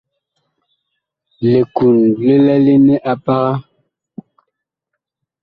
Likund li lɛlene a paga.